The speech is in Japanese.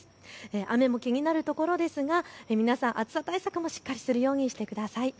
雨も気になるところですが皆さん、暑さ対策もしっかりするようにしてください。